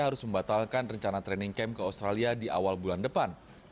harus membatalkan rencana training camp ke australia di awal bulan depan